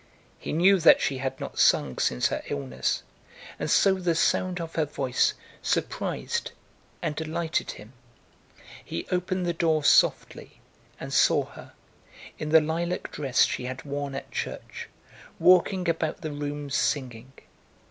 He knew that she had not sung since her illness, and so the sound of her voice surprised and delighted him. He opened the door softly and saw her, in the lilac dress she had worn at church, walking about the room singing.